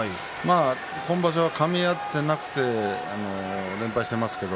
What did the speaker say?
今場所は、かみ合っていなくて連敗しています。